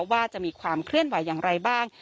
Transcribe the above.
ว่าจะมีความเคลื่อนไหวอย่างไรบ้าง